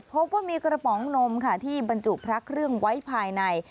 พบว่ามีกระป๋องนมค่ะที่บรรจุพระเครื่องไว้ภายใน